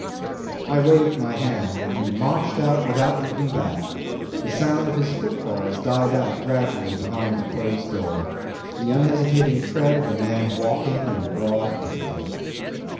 I waved my hand, and he marched out without looking back; the sound of his footfalls died out gradually behind the closed door the unhesitating tread of a man walking in broad daylight.